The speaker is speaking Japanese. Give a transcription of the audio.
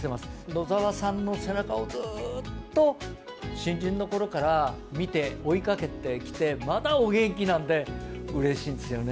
野沢さんの背中をずーっと新人のころから見て追いかけてきて、まだお元気なんで、うれしいんですよね。